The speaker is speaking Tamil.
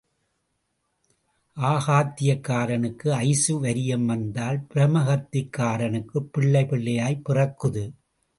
ஆகாத்தியக்காரனுக்கு ஐசுவரியம் வந்தால் பிரம்மகத்திக்காரனுக்குப் பிள்ளை பிள்ளையாய்ப் பிறக்குது.